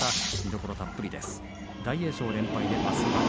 見どころたっぷりです。